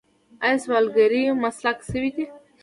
آیا سوالګري مسلک شوی دی؟